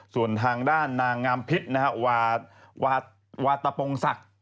ส่วนทางด้านนางงามภิษฐ์วาตะปองสัค